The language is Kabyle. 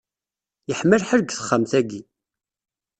Yeḥma lḥal deg texxamt-ayi.